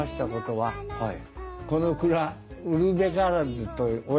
はい。